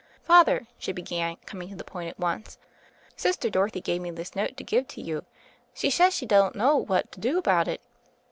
''Father/' she began, coming to the point at once, "Sister Dorothy gave me this note to give to you; she says she don't know what to do about it."